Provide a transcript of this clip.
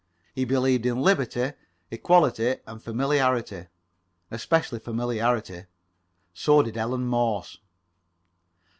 He believed in liberty, equality and familiarity, especially familiarity. So did Ellen Morse.